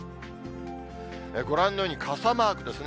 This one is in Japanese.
ご覧のように傘マークですね。